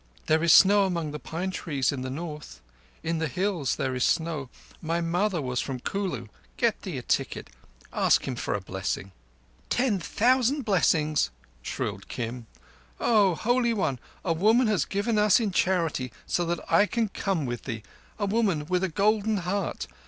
"There is snow among the pine trees in the North—in the hills there is snow. My mother was from Kulu. Get thee a ticket. Ask him for a blessing." "Ten thousand blessings," shrilled Kim. "O Holy One, a woman has given us in charity so that I can come with thee—a woman with a golden heart.